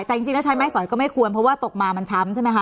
แต่จริงแล้วใช้ไม้สอยก็ไม่ควรเพราะว่าตกมามันช้ำใช่ไหมคะ